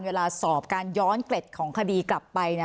เวลาสอบการย้อนเกร็ดของคดีกลับไป